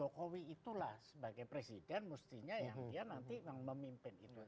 jokowi itulah sebagai presiden mestinya yang dia nanti memimpin itu